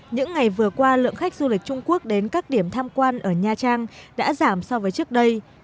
những ngày vừa qua lượng khách du lịch trung quốc đến các điểm tham quan ở nha trang đã giảm so với trước đây